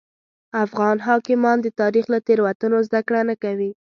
افغان حاکمان د تاریخ له تېروتنو زده کړه نه کوي.